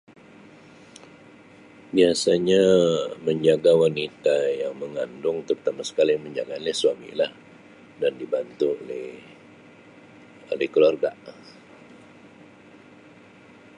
Biasanya menjaga wanita yang mengandung terutama sekali menjaganya suamilah dan dibantu oleh ahli keluarga Um